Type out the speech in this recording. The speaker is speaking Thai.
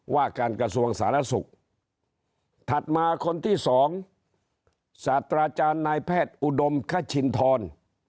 ว่าการกระทรวงสาธารณสุขถัดมาคนที่สองศาสตราจารย์นายแพทย์อุดมคชินทร